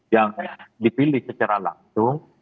yang dipilih secara langsung